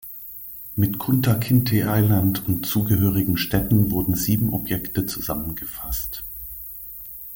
Mit Kunta Kinteh Island und zugehörige Stätten wurden sieben Objekte zusammengefasst.